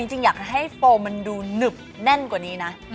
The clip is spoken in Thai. จริงอยากให้โฟมมันดูหนึบแน่นกว่านี้นะ